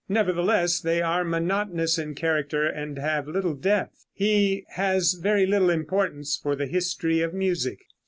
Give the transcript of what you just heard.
Nevertheless they are monotonous in character, and have little depth. He has very little importance for the history of music.